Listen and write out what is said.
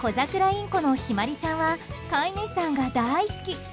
インコのひまりちゃんは飼い主さんが大好き。